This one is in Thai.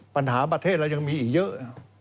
ประเทศเรายังมีอีกเยอะ